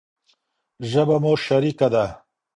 ژبه مو شريکه ده.